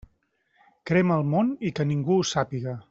Crema el món i que ningú ho sàpiga.